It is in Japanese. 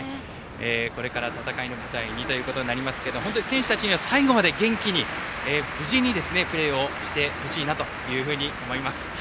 これから戦いの舞台にとなりますが選手たちが最後まで元気に無事にプレーをしていほしいなと思います。